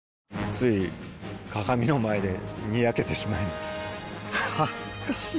つい鏡の前でニヤけてしまいます恥ずかしい・・・